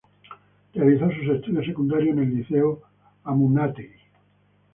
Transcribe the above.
Realizó sus estudios secundarios en el Liceo Amunátegui.